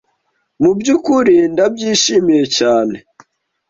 Mubyukuri ndabyishimiye cyane.